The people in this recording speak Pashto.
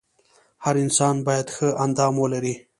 هر انسان باید ښه اندام ولري .